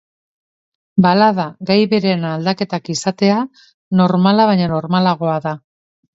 Balada gai berean aldaketak izatea normala baino normalagoa da.